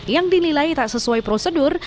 yang dinilai tak sesuai prosedur